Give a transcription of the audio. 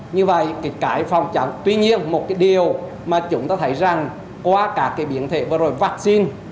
như vậy cái cải phòng trắng tuy nhiên một cái điều mà chúng ta thấy rằng qua các cái biến thể vừa rồi vaccine